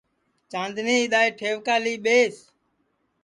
چاندنی اِدؔائے ٹھئوکا لی ٻیس